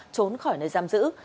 trốn khỏi nơi giam giữ